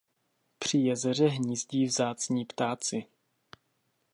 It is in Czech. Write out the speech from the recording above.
Při jezeře hnízdí vzácní ptáci.